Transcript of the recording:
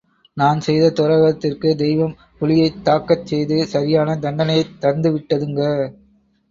நான் செய்த துரோகத்திற்குத் தெய்வம் புலியைத் தாக்கச் செய்து சரியான தண்டனையைத் தந்து விட்டதுங்க!